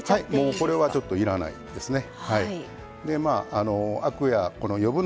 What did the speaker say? もうこれはちょっといらないですね。